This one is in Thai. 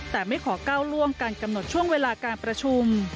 แต่ไม่ขอก้าวล่วงการกำหนดช่วงเวลาการประชุม